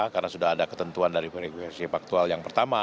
karena sudah ada ketentuan dari verifikasi faktual yang pertama